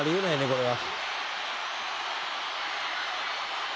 これは」